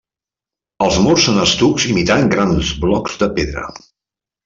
Els murs són estucs imitant grans blocs de pedra.